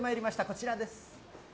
こちらです。